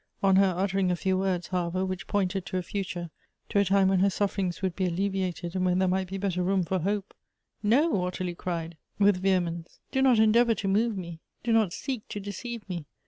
On her uttering a few words, however, which pointed to a future, — to a time when her sufferings would be alleviated, and when there might be better room for hope, ".No!" Ottilie cried with vehe mence, " do not endeavor to move me ; do not seek to deceive me.